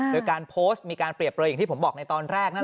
โดยการโพสต์มีการเปรียบเลยอย่างที่ผมบอกในตอนแรกนะ